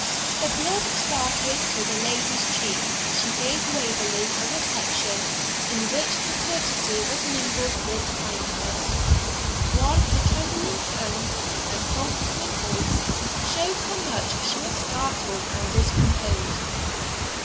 The blood started to the lady's cheek as she gave Waverley a reception in which courtesy was mingled with kindness, while her trembling hand and faltering voice showed how much she was startled and discomposed.